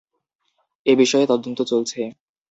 এ বিষয়ে তদন্ত চলছে।